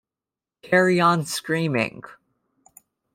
Carry On Screaming!